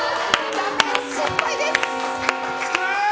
残念、失敗です！